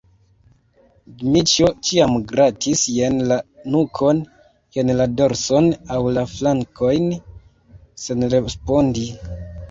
Dmiĉjo ĉiam gratis jen la nukon, jen la dorson aŭ la flankojn senrespondi.